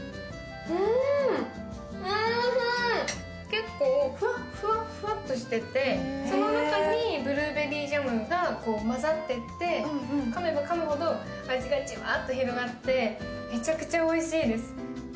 結構ふわっふわっふわっとしてて、その中にブルーベリージャムが混ざってて噛めば噛むほど味がじわーっと広がってめちゃくちゃおいしいです。